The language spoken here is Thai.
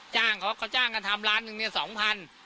จ้างเขาเขาจ้างกันทำล้านหนึ่งเนี่ย๒๐๐บาท